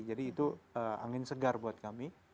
jadi itu angin segar buat kami